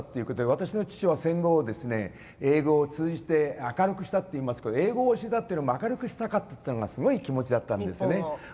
私の父は、戦後を英語を通じて明るくしたといいますけど英語を教えたというのも明るくしたかったというのが強かったんですね。